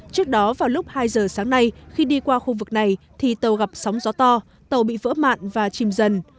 trước đó vào lúc hai giờ sáng nay khi đi qua khu vực này thì tàu gặp sóng gió to tàu bị vỡ mạn và chìm dần